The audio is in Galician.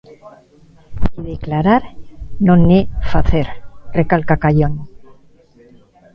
"E declarar non é facer", recalca Callón.